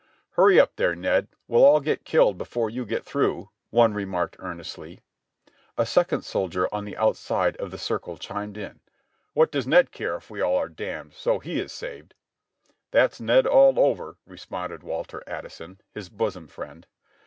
"Hurry up there, Ned, we'll all get killed before you get through," one remarked earnestly. A second soldier on the outside of the circle chmied in, "What does Ned care if we all are damned, so he is saved?" "That's Ned all over," responded \\^alter Addison, his bosom friend.